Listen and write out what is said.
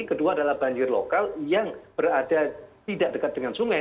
kedua adalah banjir lokal yang berada tidak dekat dengan sungai